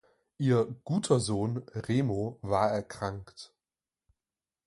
Ihr „guter Sohn“ Remo war erkrankt.